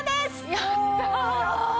やった！